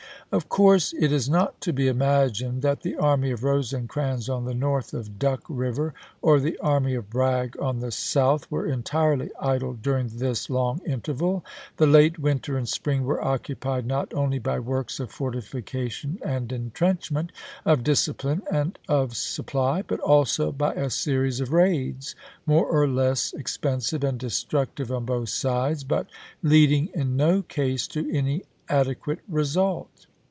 Of course it is not to be imagined that the army of Rosecrans on the north of Duck River, or the army of Bragg on the south, were entirely idle during this long interval. The late winter and spring were occupied not only by works of fortifi cation and intrenchment, of disciphne, and of sup ply, but also by a series of raids, more or less expensive and destructive on both sides, but lead ing in no case to any adequate result.